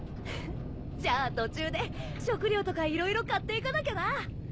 じゃあ途中で食料とか色々買っていかなきゃな。